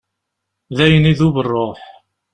Dayen idub rruḥ.